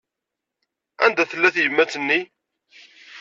Anda tella tyemmat-nni?